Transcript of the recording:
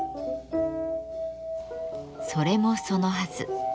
それもそのはず。